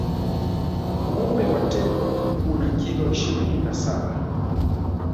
Uume wa tembo una kilo ishirini na saba